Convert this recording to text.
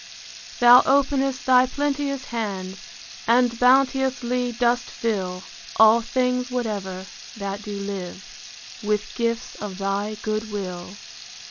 Thou openest thy plenteous hand, And bounteously dost fill All things whatever, that do live, With gifts of thy good will.